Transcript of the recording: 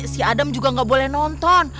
si adam juga nggak boleh nonton